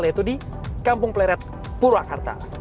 yaitu di kampung pleret purwakarta